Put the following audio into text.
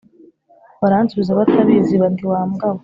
Baransubiza batabizi bati wa mbwa we